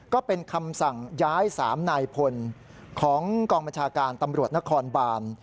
ก็เป็นคำสั่งย้าย๓นายพลของกองบัญชาการตำรวจนครบาน